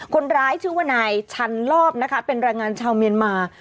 คนร้ายชื่อว่านายชันลอบนะคะเป็นแรงงานชาวเมียนมา